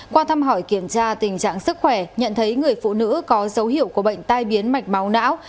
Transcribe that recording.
qua thăm hỏi kiểm tra tình trạng sức khỏe nhận thấy người phụ nữ có dấu hiệu của bệnh tai biến mạch máu não